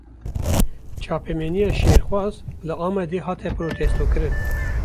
Çapemeniya şerxwaz, li Amedê hate protestokirin